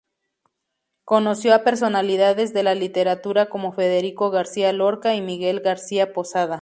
Conoció a personalidades de la literatura como Federico García Lorca y Miguel García Posada.